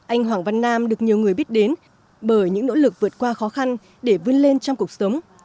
anh hoàng văn nam được nhiều người biết đến bởi những nỗ lực vượt qua khó khăn để vươn lên trong cuộc sống